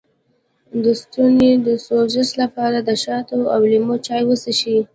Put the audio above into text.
د ستوني د سوزش لپاره د شاتو او لیمو چای وڅښئ